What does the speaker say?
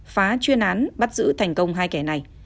phá chuyên án bắt giữ thành công hai kẻ này